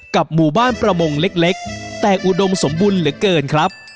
หมู่บ้านประมงเล็กแต่อุดมสมบูรณ์เหลือเกินครับ